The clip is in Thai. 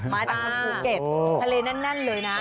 มาจากคนภูเก็ตทะเลแน่นเลยนะ